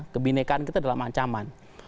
kebinekaan kita dalam ancaman